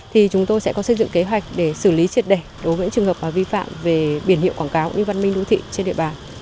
thì chúng tôi sẽ có xây dựng kế hoạch để xử lý triệt đẩy đối với những trường hợp mà vi phạm về biển hiệu quảng cáo của những văn minh đô thị trên địa bàn